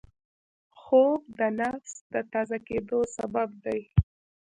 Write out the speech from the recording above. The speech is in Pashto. خوب د نفس د تازه کېدو سبب دی